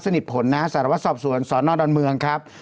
สนิทผลนะฮะสารวัตรสอบส่วนสนดเมืองครับ